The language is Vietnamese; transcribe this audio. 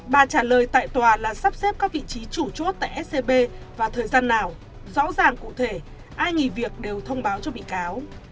bà trả lời tại tòa là sắp xếp các vị trí chủ chốt tại scb vào thời gian nào rõ ràng cụ thể ai nghỉ việc đều thông báo cho bị cáo